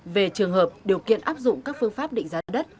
về trường hợp điều kiện áp dụng các phương pháp định giá đất